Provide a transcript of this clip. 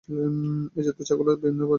এই জাতের ছাগলের বিভিন্ন প্রজাতি রয়েছে।